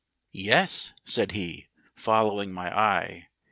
"Yes," said he, following my eye.